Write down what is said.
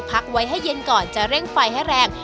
พักไว้ให้เย็นก่อนจะเร่งไฟให้แรง